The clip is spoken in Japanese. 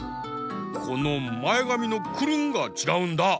このまえがみのクルンがちがうんだ！